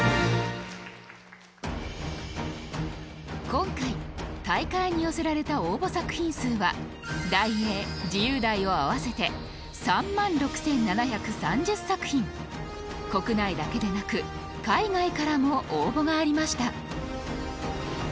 今回大会に寄せられた応募作品数は題詠・自由題を合わせて国内だけでなく海外からも応募がありました。